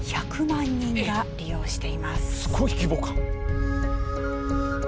すごい規模感！